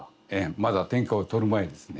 まだ天下を取る前ですね。